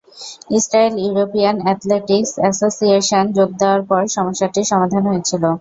Israel European athletics অ্যাসোসিয়েশনে যোগ দেওয়ার পর সমস্যাটির সমাধান হয়েছিল।